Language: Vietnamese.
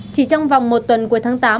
chỉ trong vòng một tuần cuối tháng tám